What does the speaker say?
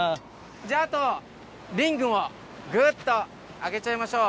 じゃああとリングをぐっと上げちゃいましょう。